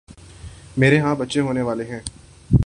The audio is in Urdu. میرے ہاں بچہ ہونے والا ہے